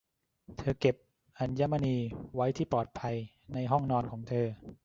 เธอเก็บอัญมณีไว้ที่ปลอดภัยในห้องนอนของเธอ